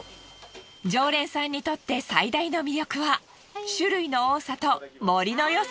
常連さんにとって最大の魅力は種類の多さと盛りのよさ。